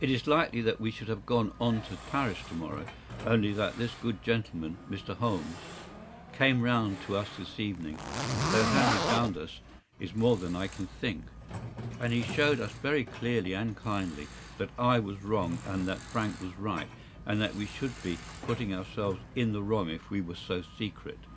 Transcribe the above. It is likely that we should have gone on to Paris to morrow, only that this good gentleman, Mr. Holmes, came round to us this evening, though how he found us is more than I can think, and he showed us very clearly and kindly that I was wrong and that Frank was right, and that we should be putting ourselves in the wrong if we were so secret.